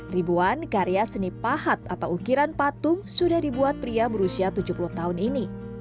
ribuan karya seni pahat atau ukiran patung sudah dibuat pria berusia tujuh puluh tahun ini